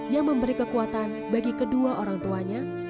yang memberi kekuatan bagi kedua orang tuanya